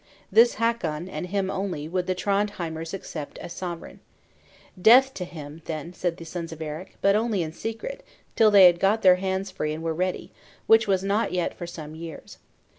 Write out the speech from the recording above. This Hakon, and him only, would the Trondhjemers accept as sovereign. "Death to him, then," said the sons of Eric, but only in secret, till they had got their hands free and were ready; which was not yet for some years.